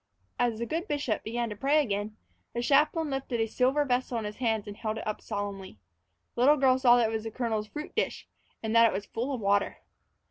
As the good bishop began to pray again, the chaplain lifted a silver vessel in his hands and held it up solemnly. The little girl saw that it was the colonel's fruit dish, and that it was full of water.